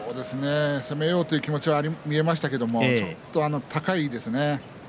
攻めようという気持ちは見えましたけどちょっと高いですね。